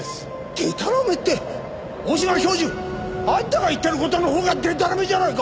でたらめって大島教授あんたが言ってる事のほうがでたらめじゃないか！